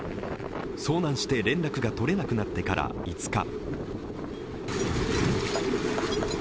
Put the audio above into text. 遭難して連絡が取れなくなってから５日。